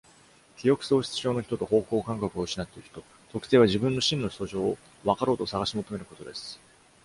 記憶喪失症の人と方向感覚を失っている人、特性は自分の真の素性を分かろうと探し求めることです。